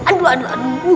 aduh aduh aduh